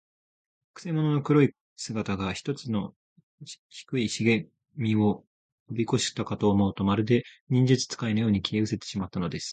くせ者の黒い姿が、ひとつの低いしげみをとびこしたかと思うと、まるで、忍術使いのように、消えうせてしまったのです。